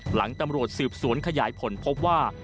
หลังตำรวจสืบสวนขยายผลพบว่า